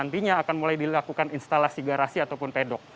dilakukan instalasi garasi ataupun pedok